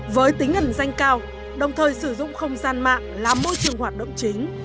với tính ẩn danh cao đồng thời sử dụng không gian mạng là môi trường hoạt động chính